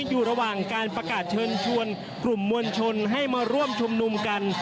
อยู่ระหว่างการประกาศเชิญชวนกลุ่มมวลชนให้มาร่วมชุมนุมกัน